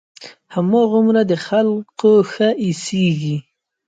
هماغومره د خلقو ښه اېسېږي.